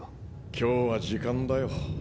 今日は時間だよ。